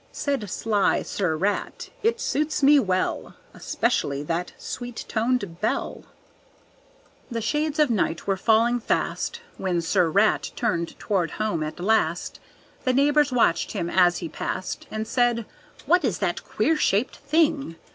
Said sly Sir Rat: "It suits me well, Especially that sweet toned bell." The shades of night were falling fast When Sir Rat turned toward home at last. The neighbors watched him as he passed And said: "What is that queer shaped thing?